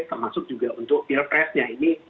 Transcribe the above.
termasuk juga untuk pilpresnya ini